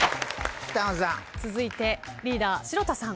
続いてリーダー城田さん。